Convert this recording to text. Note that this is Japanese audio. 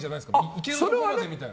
いけるとこまでみたいな？